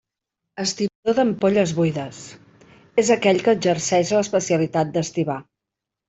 Estibador d'ampolles buides: és aquell que exerceix l'especialitat d'estibar.